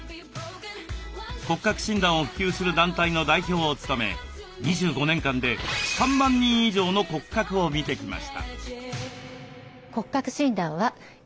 骨格診断を普及する団体の代表を務め２５年間で３万人以上の骨格を見てきました。